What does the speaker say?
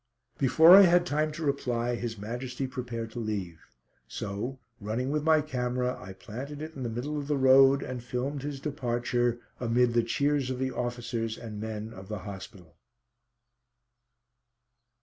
Before I had time to reply His Majesty prepared to leave, so running with my camera I planted it in the middle of the road and filmed his departure, amid the cheers of the officers and men of the hospital.